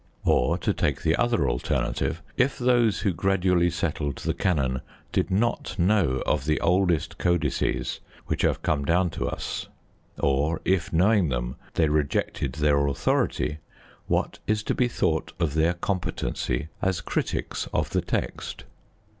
Or, to take the other alternative, if those who gradually settled the canon did not know of the oldest codices which have come down to us; or, if knowing them, they rejected their authority, what is to be thought of their competency as critics of the text?